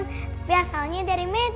tapi asalnya dari medan